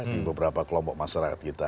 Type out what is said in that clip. di beberapa kelompok masyarakat kita